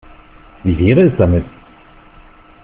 Wie wäre es damit?